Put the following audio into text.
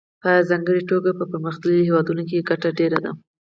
په ځانګړې توګه په پرمختللو هېوادونو کې ګټه ډېره ده